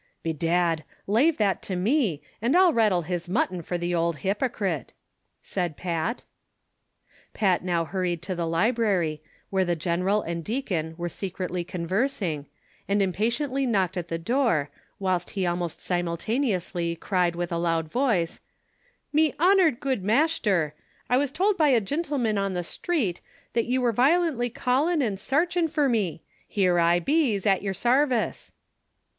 "Bedad, lave that to me, an' I'll rattle his mutton fur the ould liypocret," said Pat. Pat now hurried to the library, where the general and deacon were secretly conversing, and imi»atiently knocked at the door, whilst he almost simultaneously cried with a loud voice :" JNIe honored good mashter, I was tould by a gintleman on the sthreet that ye were violantly callhi' an' sarchin' fur me ; here I bees, at yer sarvice."